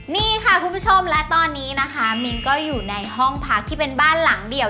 นี่ค่ะคุณผู้ชมและตอนนี้นะคะมิ้นก็อยู่ในห้องพักที่เป็นบ้านหลังเดียว